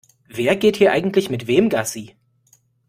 Wer geht hier eigentlich mit wem Gassi?